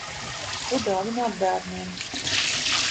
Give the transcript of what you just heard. Ko dāvināt bērniem?